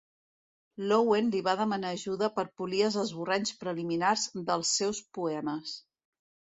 L'Owen li va demanar ajuda per polir els esborranys preliminars dels seus poemes.